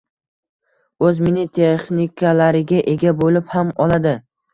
o‘z mini-texnikalariga ega bo‘lib ham oladi